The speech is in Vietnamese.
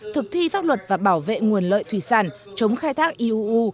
thực thi pháp luật và bảo vệ nguồn lợi thủy sản chống khai thác iuu